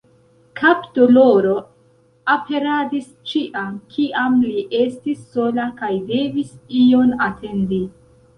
Kapdoloro aperadis ĉiam kiam li estis sola kaj devis ion atendi.